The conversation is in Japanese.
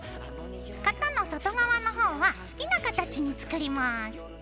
型の外側のほうは好きな形に作ります。